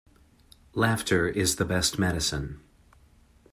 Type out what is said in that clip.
Laughter is the best medicine.